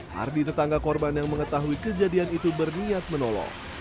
hardi tetangga korban yang mengetahui kejadian itu berniat menolong